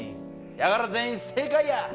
だから全員正解や！